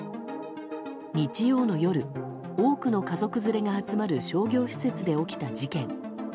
日曜の夜多くの家族連れが集まる商業施設で起きた事件。